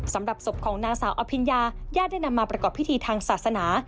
สำหรับศพของนางสาวอภิญญาญาติได้นำมาประกอบพิธีทางศาสนา